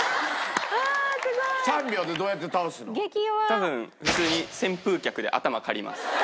多分普通に旋風脚で頭刈ります。